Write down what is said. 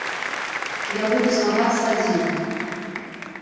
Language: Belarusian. Я буду змагацца адзін.